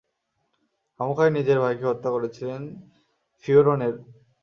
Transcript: খামোখাই নিজের ভাইকে হত্যা করেছিলেন ফিওরনের।